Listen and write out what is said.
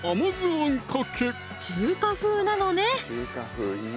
中華風なのね